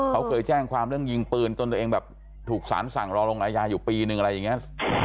เขาเคยแจ้งความเรื่องยิงปืนจนตัวเองแบบถูกสารสั่งรอลงอายาอยู่ปีนึงอะไรอย่างนี้